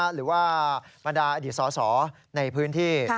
หรือว่าบรรดาอดีตสอสอในพื้นที่